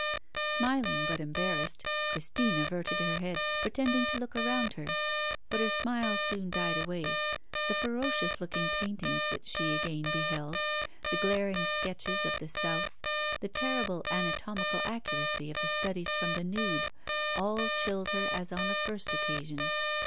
Smiling, but embarrassed, Christine averted her head, pretending to look around her. But her smile soon died away. The ferocious looking paintings which she again beheld, the glaring sketches of the South, the terrible anatomical accuracy of the studies from the nude, all chilled her as on the first occasion.